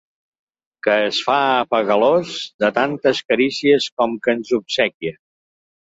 Que es fa apegalós de tantes carícies amb què ens obsequia.